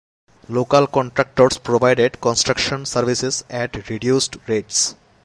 Local contractors provided construction services at reduced rates.